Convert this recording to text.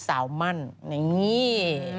มั่นอย่างนี้